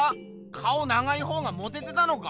顔長いほうがモテてたのか？